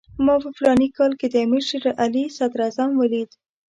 ما په فلاني کال کې د امیر شېر علي صدراعظم ولید.